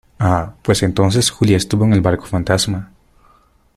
¡ ah! pues entonces Julia estuvo en el barco fantasma